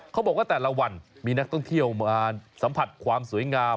เขาบอกว่าแต่ละวันมีนักท่องเที่ยวมาสัมผัสความสวยงาม